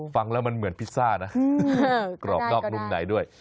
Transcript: ฟังแล้วมันเหมือนพิซซ่านะกรอบนอกนุ่มไหนด้วย